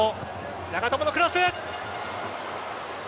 長友のクロス。